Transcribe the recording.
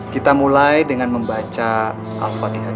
kita mulai dengan membaca al fatihah dulu ya